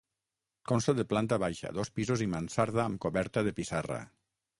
Consta de planta baixa, dos pisos i mansarda amb coberta de pissarra.